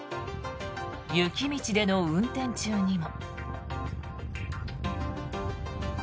雪道での運転中にも。